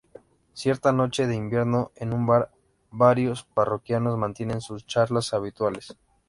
Cierta noche de invierno, en un bar, varios parroquianos mantienen sus charlas habituales.